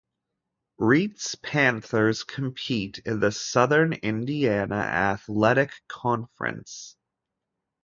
Reitz Panthers compete in the Southern Indiana Athletic Conference.